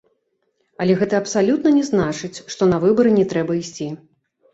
Але гэта абсалютна не значыць, што на выбары не трэба ісці.